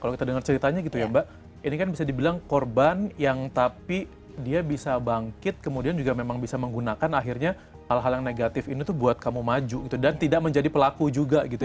kalau kita dengar ceritanya gitu ya mbak ini kan bisa dibilang korban yang tapi dia bisa bangkit kemudian juga memang bisa menggunakan akhirnya hal hal yang negatif ini tuh buat kamu maju gitu dan tidak menjadi pelaku juga gitu